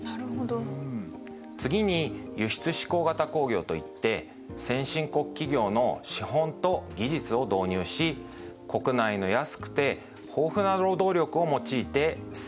次に輸出指向型工業といって先進国企業の資本と技術を導入し国内の安くて豊富な労働力を用いて先進国向けの製品を生産し輸出します。